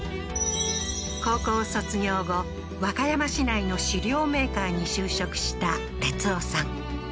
高校卒業後和歌山市内の飼料メーカーに就職した哲男さん